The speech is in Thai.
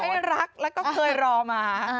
ให้รักแล้วก็เคยรอมา